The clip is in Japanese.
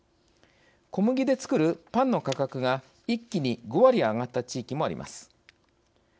小麦で作るパンの価格が一気に５割上がった地域もあります。